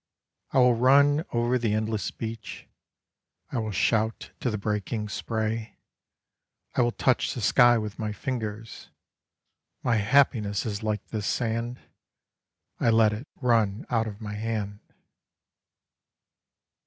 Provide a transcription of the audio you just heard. I will run over the endless beach, I will shout to the breaking spray, I will touch the sky with my fingers. My happiness is like this sand: I let it run out of my hand.